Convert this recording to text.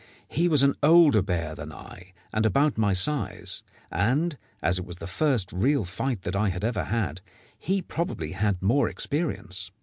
He was an older bear than I, and about my size; and, as it was the first real fight that I had ever had, he probably had more experience.